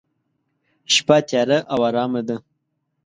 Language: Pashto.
شپه تیاره او ارامه ده.